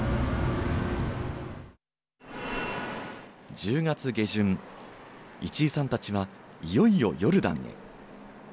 １０月下旬市居さんたちはいよいよヨルダンへ。